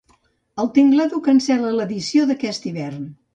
El Tingladu cancel·la l'edició d'aquest hivern.